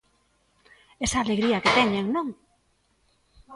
Esa alegría que teñen, non?